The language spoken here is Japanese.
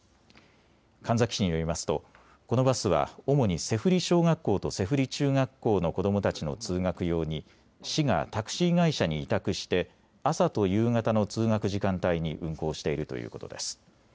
神埼市によりますと、このバスは主に脊振小学校と背振中学校の子どもたちの通学用に市がタクシー会社に委託して朝と夕方の通学時間帯に運行しているということです。